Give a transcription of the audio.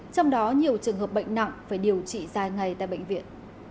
trong đó nhiều trường hợp bệnh nặng phải điều trị dài ngày tại bệnh viện